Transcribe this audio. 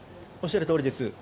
おっしゃるとおりです。